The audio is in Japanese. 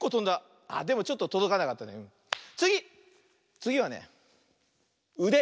つぎはねうで。